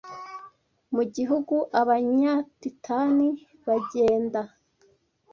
mu gihugu Abanyatitani bagenda